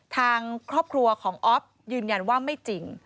ทางครอบครัวของอ๊อฟยืนยันว่าไม่จริง